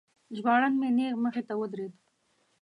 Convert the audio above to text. ژباړن مې نیغ مخې ته ودرید.